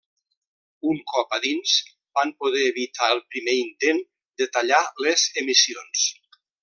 Un cop a dins van poder evitar el primer intent de tallar les emissions.